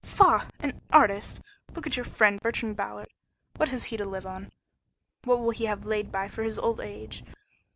"Faugh! An artist? Look at your friend, Bertrand Ballard. What has he to live on? What will he have laid by for his old age?